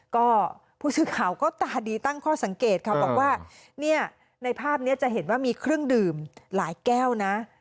ก็ผู้สื่อข่าวก็ตาดีตั้งข้อสังเกตค่ะบอกว่าเนี่ยในภาพนี้จะเห็นว่ามีเครื่องดื่มหลายแก้วนะ